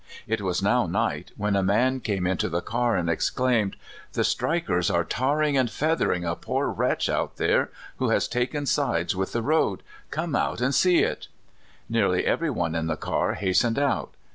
It was now night, when a man came into the car and ex claimed, 'The strikers are tarring and feathering a poor wretch out here, who has taken sides witli the road come out and see it! 7 Nearly every one in the car hastened out.